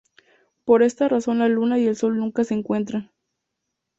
Por esta razón la luna y el sol nunca se encuentran.